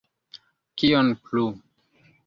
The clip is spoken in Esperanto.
Kion plu?